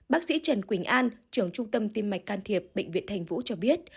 bác sĩ trần quỳnh an trưởng trung tâm tim mạch can thiệp bệnh viện thành vũ cho biết